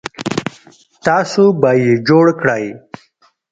تاسو به یې جوړ کړئ